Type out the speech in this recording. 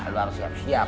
lo harus siap siap